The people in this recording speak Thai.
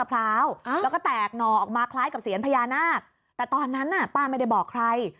เป็นพญานาคแต่ตอนนั้นน่ะป้าไม่ได้บอกใคร